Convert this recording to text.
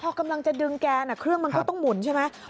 พอกำลังจะดึงแกนเครื่องมันก็ต้องหมุนใช่ไหม